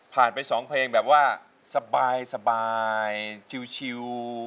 ไป๒เพลงแบบว่าสบายชิว